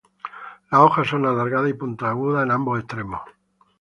Las hojas son alargadas y puntiagudas en ambos extremos.